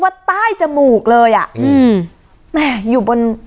สลับผัดเปลี่ยนกันงมค้นหาต่อเนื่อง๑๐ชั่วโมงด้วยกัน